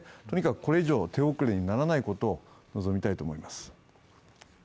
とにかくこれ以上手遅れにならないことを望みます。